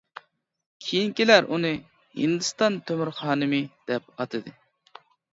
كېيىنكىلەر ئۇنى «ھىندىستان تۆمۈر خانىمى» دەپ ئاتىدى.